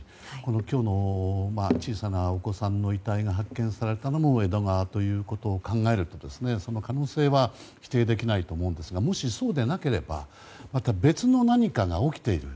今日の小さなお子さんの遺体が発見されたのも江戸川ということを考えるとその可能性は否定できないと思うんですがもし、そうでなければまた別の何かが起きている。